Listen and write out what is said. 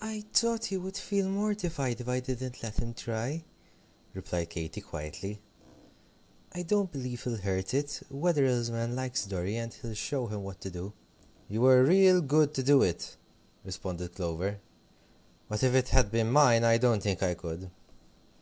"I thought he would feel mortified if I didn't let him try," replied Katy, quietly, "I don't believe he'll hurt it. Wetherell's man likes Dorry, and he'll show him what to do." "You were real good to do it," responded Clover; "but if it had been mine I don't think I could."